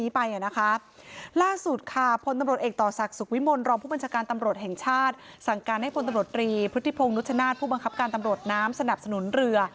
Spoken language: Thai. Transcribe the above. พฤติพงษ์นุชนาธิ์ผู้บังคับการตำรวจน้ำสนับสนุนเรือ